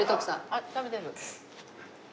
あっ食べてる。